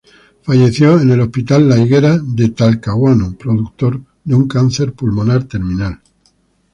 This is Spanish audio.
Falleció en el Hospital Las Higueras de Talcahuano, producto de un cáncer pulmonar terminal.